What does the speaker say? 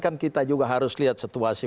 kan kita juga harus lihat situasi